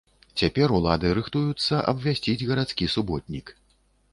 Цяпер улады рыхтуюцца абвясціць гарадскі суботнік.